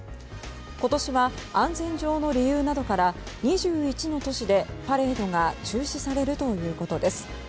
今年は安全上の理由などから２１の都市でパレードが中止されるということです。